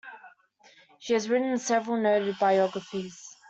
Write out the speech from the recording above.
She has written several noted biographies.